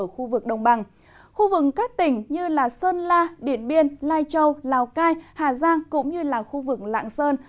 khu vực các tỉnh như sơn la điện biên lai châu lào cai hà giang cũng như là khu vực lạng sơn